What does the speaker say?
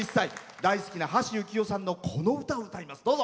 大好きな橋幸夫さんのこの歌を歌います。